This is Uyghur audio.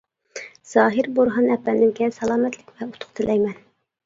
زاھىر بورھان ئەپەندىمگە سالامەتلىك ۋە ئۇتۇق تىلەيمەن.